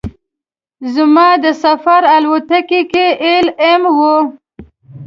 زما د سفر الوتکه کې ایل ایم وه.